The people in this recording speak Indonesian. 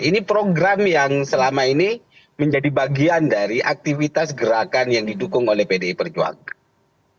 ini program yang selama ini menjadi bagian dari aktivitas gerakan yang didukung oleh pdi perjuangan